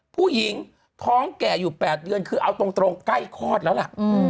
ผู้หญิงท้องแก่อยู่๘เดือนคือเอาตรงใกล้คลอดแล้วล่ะ